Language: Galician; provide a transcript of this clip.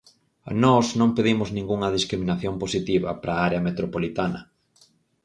Nós non pedimos ningunha discriminación positiva para a Área Metropolitana.